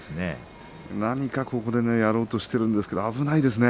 何か、ここでやろうとしているんですが危ないですね。